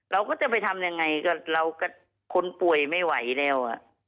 เราก็จะไปทำยังไงกับเราคนป่วยไม่ไหวแล้ว